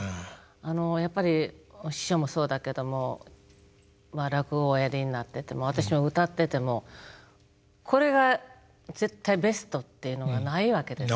あのやっぱり師匠もそうだけどもまあ落語をおやりになってても私は歌っててもこれが絶対ベストっていうのがないわけです。